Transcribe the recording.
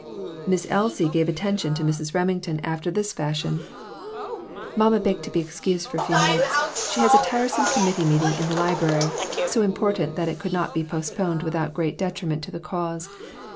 Miss Elsie gave attention to Mrs. Remington 214 CHARACTER STUDIES. after this fashion "Mamma begged to be ex cused for a very few minutes ; she has a tiresome committee meeting in the library, so important that it could not be postponed without great detri ment to the cause.